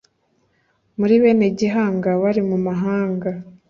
muri bene gihanga bari mu mahanga